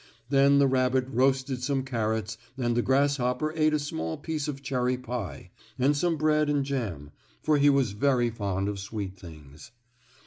Then the rabbit roasted some carrots and the grasshopper ate a small piece of cherry pie, and some bread and jam, for he was very fond of sweet things.